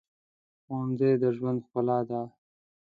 ښوونځی د ژوند ښکلا ده